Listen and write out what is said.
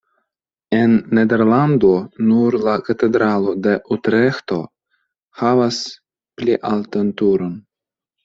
En Nederland nur la katedralo de Utreĥto havas pli altan turon.